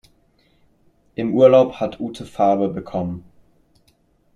Im Urlaub hat Ute Farbe bekommen.